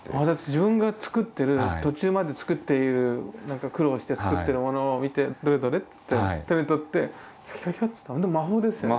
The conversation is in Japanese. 自分が作ってる途中まで作っている苦労して作ってるものを見て「どれどれ」っつって手に取ってひょいひょいってほんと魔法ですよね。